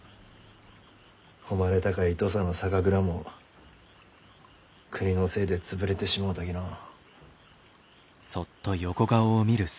誉れ高い土佐の酒蔵も国のせいで潰れてしもうたきのう。